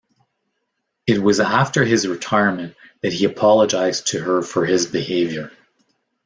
It was after his retirement that he apologized to her for his behavior.